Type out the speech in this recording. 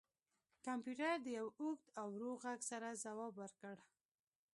کمپیوټر د یو اوږد او ورو غږ سره ځواب ورکړ